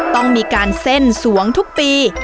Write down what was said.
ต้องมีการเส้นสวงทุกปี